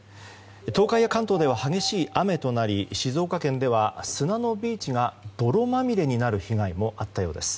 東海や関東では激しい雨となり静岡県では砂のビーチが泥まみれになる被害もあったようです。